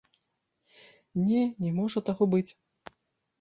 Не, не можа таго быць!